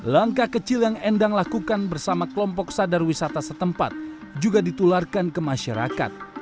langkah kecil yang endang lakukan bersama kelompok sadar wisata setempat juga ditularkan ke masyarakat